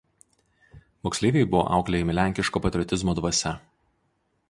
Moksleiviai buvo auklėjami lenkiško patriotizmo dvasia.